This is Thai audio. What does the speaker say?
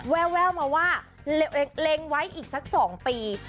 แววมาว่าเล็งไว้อีกสัก๒ปี